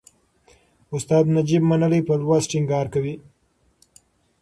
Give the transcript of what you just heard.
استاد نجيب منلی پر لوست ټینګار کوي.